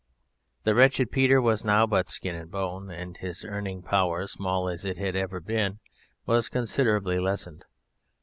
The wretched Peter was now but skin and bone, and his earning power, small as it had ever been, was considerably lessened.